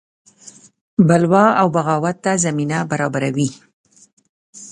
بلوا او بغاوت ته زمینه برابروي.